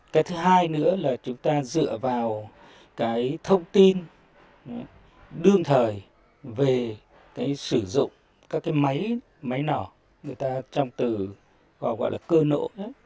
cái thứ hai nữa là chúng ta dựa vào cái thông tin đương thời về cái sử dụng các cái máy máy nào người ta trong từ gọi là cơ nộ